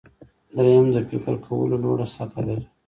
دریم د فکر کولو لوړه سطحه لري.